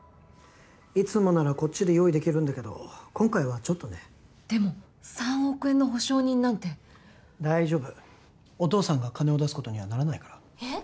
いつもならこっちで用意できるんだけど今回はちょっとねでも３億円の保証人なんて大丈夫お父さんが金を出すことにはならないからえっ！？